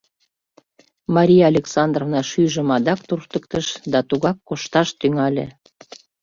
Мария Александровна шӱйжым адак туртыктыш да тугак кошташ тӱҥале.